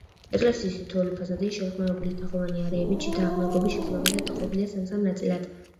ეკლესიის თითოეული ფასადი, შეღრმავებული თაღოვანი არეებით, შიდა აღნაგობის შესაბამისად, დაყოფილია სამ-სამ ნაწილად.